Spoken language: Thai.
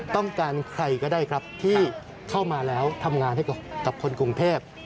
ต้องการใครก็ได้ครับที่เข้ามาแล้วทำงานให้กับคนกรุงเทพ